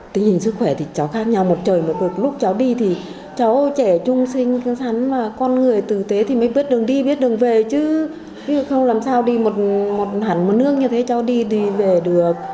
trị chính trẻ trung sinh con người tử tế mới biết đường đi biết đường về chứ không làm sao đi một hẳn một nước như thế cháu đi thì về được